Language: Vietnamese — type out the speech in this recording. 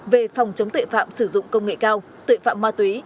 về phòng chống tuệ phạm sử dụng công nghệ cao tội phạm ma túy